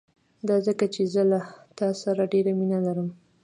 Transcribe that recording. دا ځکه چې زه له تا سره ډېره مينه لرم.